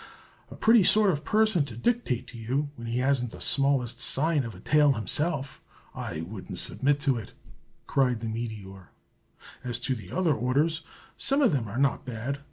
"A pretty sort of person to dictate to you, when he hasn't the smallest sign of a tail himself! I wouldn't submit to it!" cried the meteor. "As to the other orders, some of them are not so bad.